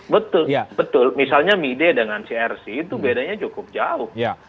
betul misalnya mide dengan si ersy itu bedanya cukup jauh